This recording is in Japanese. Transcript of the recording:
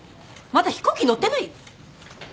まだ飛行機乗ってない！？